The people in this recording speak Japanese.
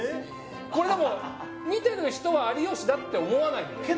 これでも見てる人は有吉だって思わないんだよね